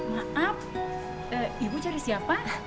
maaf ibu cari siapa